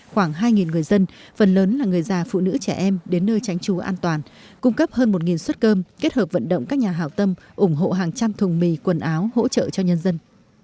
khoảng hai người dân phần lớn là người già phụ nữ trẻ em đến nơi tránh trú an toàn cung cấp hơn một suất cơm kết hợp vận động các nhà hảo tâm ủng hộ hàng trăm thùng mì quần áo hỗ trợ cho nhân dân